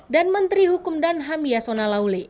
dan menteri hukum dan ham yasona lauli